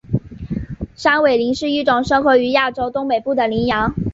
山苇羚是一种生活于非洲东北部的羚羊。